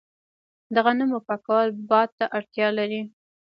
د غنمو پاکول باد ته اړتیا لري.